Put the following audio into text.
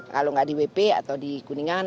kalau nggak di wp atau di kuningan